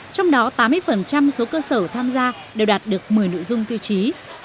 trong đó tám mươi số cơ sở tham gia đều đạt được một mươi nội dung tiêu chí